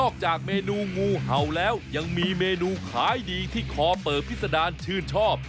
จากเมนูงูเห่าแล้วยังมีเมนูขายดีที่คอเปิบพิษดารชื่นชอบ